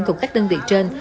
thuộc các đơn vị trên